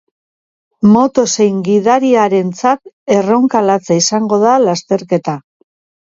Moto zein gidariarentzat erronka latza izango da lasterketa.